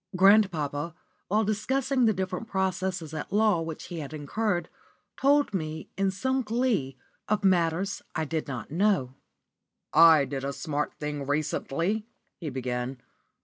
Grandpapa, while discussing the different processes at law which he had incurred, told me, in some glee, of matters I did not know. "I did a smart thing recently," he began.